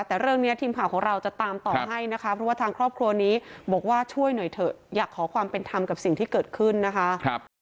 แต่เรื่องนี้ทีมข่าวของเราจะตามต่อให้นะคะเพราะว่าทางครอบครัวนี้บอกว่าช่วยหน่อยเถอะอยากขอความเป็นธรรมกับสิ่งที่เกิดขึ้นนะคะ